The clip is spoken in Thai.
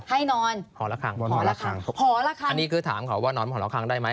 ให้นอนพอละครั้งพอละครั้งพอละครั้งอันนี้คือถามเขาว่านอนพอละครั้งได้ไหม